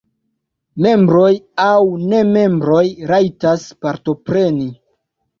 Membroj aŭ nemembroj rajtas partopreni.